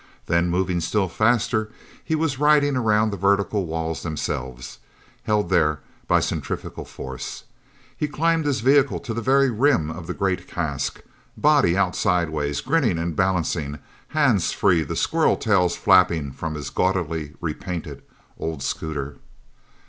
Then, moving still faster, he was riding around the vertical walls, themselves, held there by centrifugal force. He climbed his vehicle to the very rim of the great cask, body out sideways, grinning and balancing, hands free, the squirrel tails flapping from his gaudily repainted old scooter.